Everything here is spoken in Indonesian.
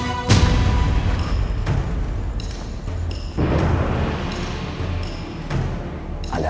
kalau tidak menerima